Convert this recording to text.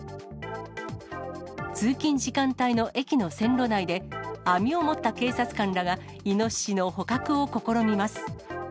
通勤時間帯の駅の線路内で、網を持った警察官らがイノシシの捕獲を試みます。